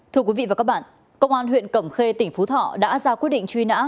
thưa quý vị và các bạn công an huyện cẩm khê tỉnh phú thọ đã ra quyết định truy nã